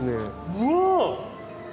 うわ！